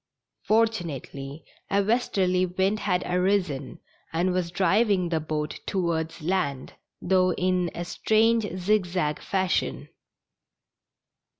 Fortunately a westerly wind had arisen and was driving the boat towards land, though in a strange zig zag fashion.